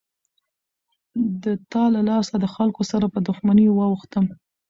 د تا له لاسه دخلکو سره په دښمنۍ واوښتم.